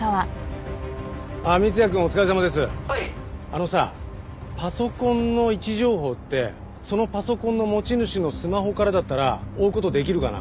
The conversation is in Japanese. あのさパソコンの位置情報ってそのパソコンの持ち主のスマホからだったら追う事できるかな？